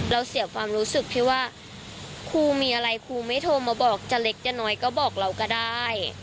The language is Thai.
เสียความรู้สึกที่ว่าครูมีอะไรครูไม่โทรมาบอกจะเล็กจะน้อยก็บอกเราก็ได้